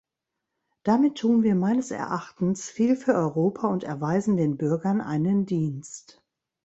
Damit tun wir meines Erachtens viel für Europa und erweisen den Bürgern einen Dienst.